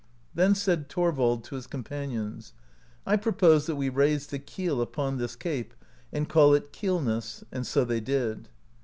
Then said Thorvald to his companions : "I pro pose that we raise the keel upon this cape, and caH it Keelness," and so they did.